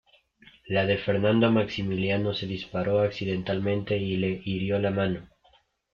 La de Fernando Maximiliano se disparó accidentalmente y le hirió la mano.